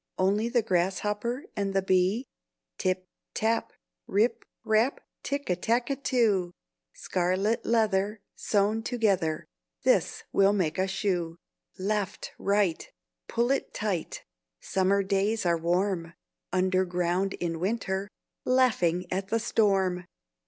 Only the grasshopper and the bee? "Tip tap, rip rap, Tick a tack too! Scarlet leather, sewn together, This will make a shoe. Left, right, pull it tight; Summer days are warm; Underground in winter, Laughing at the storm!"